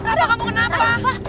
adam kamu kenapa